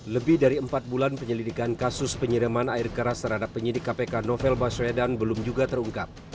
lebih dari empat bulan penyelidikan kasus penyiraman air keras terhadap penyidik kpk novel baswedan belum juga terungkap